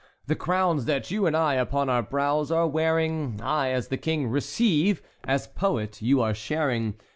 The crowns that you and I upon our brows are wearing, I as the King receive, as poet you are sharing.